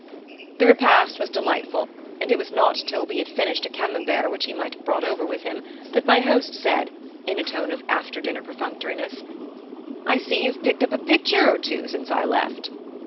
The repast was delightful, and it was not till we had finished a Camembert which he must have brought over with him, that my host said, in a tone of after dinner perfunctoriness: "I see you've picked up a picture or two since I left."